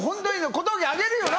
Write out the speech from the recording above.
小峠あげるよな？